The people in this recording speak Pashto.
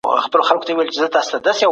ایا تاسو د خپلو اطلاعاتو تحلیل کړی دی؟